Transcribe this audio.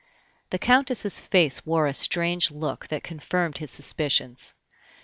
The Countess's face wore a strange look, that confirmed his suspicions.